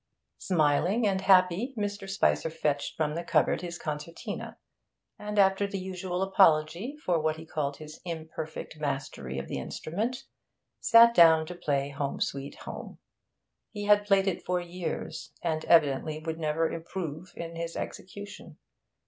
Smiling and happy, Mr. Spicer fetched from the cupboard his concertina, and after the usual apology for what he called his 'imperfect mastery of the instrument,' sat down to play 'Home, Sweet Home.' He had played it for years, and evidently would never improve in his execution.